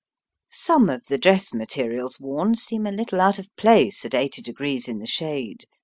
Some of the dress materials worn seem a little out of place at 80° in the shade.